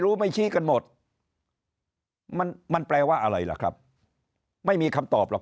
ไม่ชี้กันหมดมันมันแปลว่าอะไรล่ะครับไม่มีคำตอบหรอก